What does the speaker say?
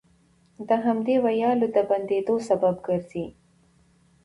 د همدې ويالو د بندېدو سبب ګرځي،